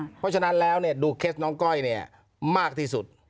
เพราะฉะนั้นแล้วดูเคสน้องก้อยเนี่ยมากที่สุด